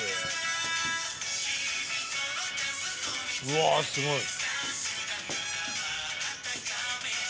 うわすごい。